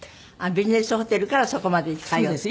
ビジネスホテルからそこまで通って？